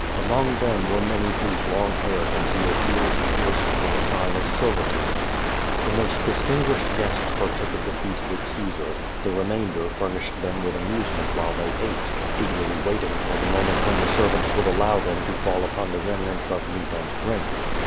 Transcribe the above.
Among them were many whose long hair concealed ears pierced as a sign of servitude. The most distinguished guests partook of the feast with Caesar; the remainder furnished them with amusement while they ate, eagerly waiting for the moment when the servants would allow them to fall upon the remnants of meat and drink.